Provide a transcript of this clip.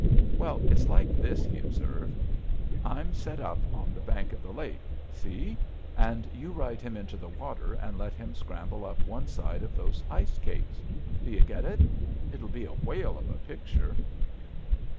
"Well, it's like this," he observed: "I'm set up on the bank of the lake. See? And you ride him into the water and get him to scramble up on one of those ice cakes. Do you get it? It'll be a whale of a picture."